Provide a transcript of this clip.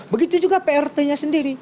begitu juga prt nya sendiri